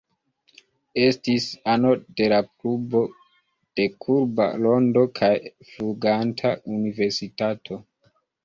Estis ano de la Klubo de Kurba Rondo kaj de Fluganta Universitato.